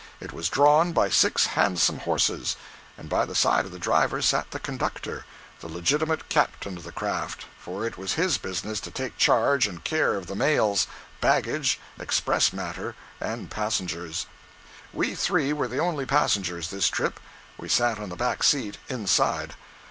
It was drawn by six handsome horses, and by the side of the driver sat the "conductor," the legitimate captain of the craft; for it was his business to take charge and care of the mails, baggage, express matter, and passengers. We three were the only passengers, this trip. We sat on the back seat, inside.